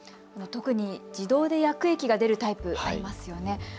特に自動で薬液が出るタイプがありますよね。